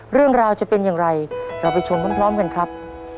เรื่องราวจะเป็นอย่างไรเราไปชมพร้อมกันครับ